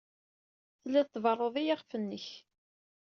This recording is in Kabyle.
Tellid tberrud i yiɣef-nnek.